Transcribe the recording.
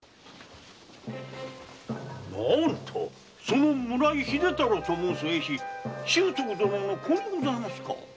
その村井秀太郎と申す絵師は秀徳殿の子にございますか